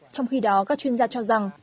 trong khi đó các chuyên gia cho rằng